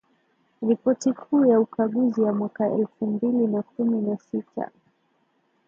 Ripoti kuu ya ukaguzi ya mwaka elfu mbili na kumi na sita